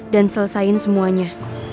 dan selesaikan semuanya